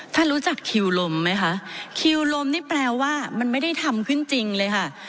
รู้จักคิวลมไหมคะคิวลมนี่แปลว่ามันไม่ได้ทำขึ้นจริงเลยค่ะ